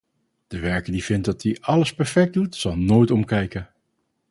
De werker die vindt dat ie alles perfect doet, zal nooit omkijken.